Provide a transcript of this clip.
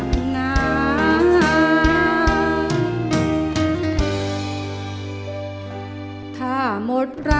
โทรใจคนสีดำดำโครนนี่หรือคือคนที่บอกว่ารักฉันอับงาน